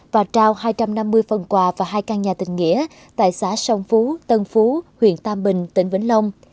và trao hai trăm năm mươi phần quà và hai căn nhà tình nghĩa tại xã sông phú tân phú huyện tam bình tỉnh vĩnh long